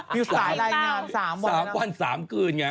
มีสายรายงาน๓วันหรือเนี่ยที่ขอบ๓วัน๓กลืนไง